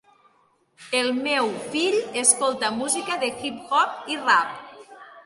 El meu fill escolta música de hip-hop i rap.